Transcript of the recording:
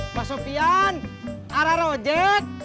mbak sofian arah rojek